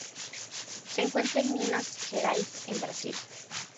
Se encuentra en Minas Gerais, en Brasil.